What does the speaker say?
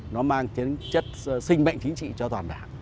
nó mang kiến chất sinh mệnh chính trị cho toàn đảng